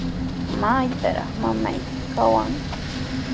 ¿Maytrawtaq mamayki kawan?